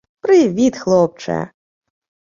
Привіт, хлопче